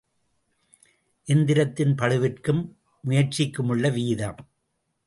எந்திரத்தின் பளுவிற்கும் முயற்சிக்குமுள்ள வீதம்.